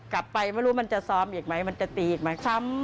กลับไปไม่รู้มันจะซ้อมอีกไหมมันจะตีอีกไหมซ้ำ